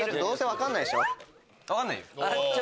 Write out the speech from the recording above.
分かんないよ。